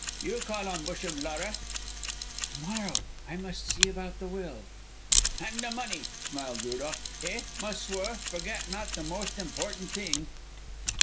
"You call on Busham, Laura." "To morrow. I must see about the will." "And the money," smiled Rudolph. "Eh, ma s[oe]ur, forget not the most important thing."